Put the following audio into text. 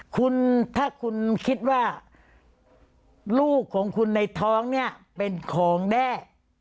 คุณถ้าคุณคิดว่าลูกของคุณในท้องเนี่ยเป็นของแด้